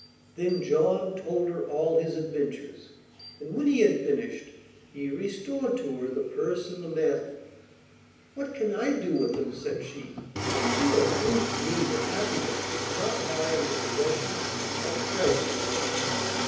Then John told her all his adventures, and when he had finished, he restored to her the purse and the mantle. 'What can I do with them?' said she. 'You have proved to me that happiness does not lie in the possession of treasures.